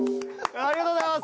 「ありがとうございます」